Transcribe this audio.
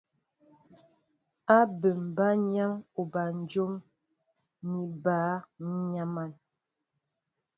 Ábɛm bǎyaŋ obanjóm ni obǎ, ǹ yam̀an.